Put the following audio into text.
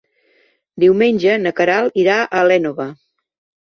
Diumenge na Queralt irà a l'Énova.